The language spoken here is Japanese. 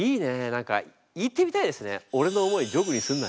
何か言ってみたいですね。